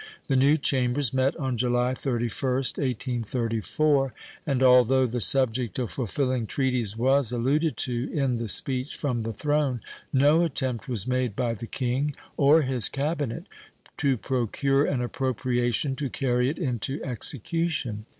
The new Chambers met on July 31st, 1834, and although the subject of fulfilling treaties was alluded to in the speech from the throne, no attempt was made by the King or his cabinet to procure an appropriation to carry it into execution.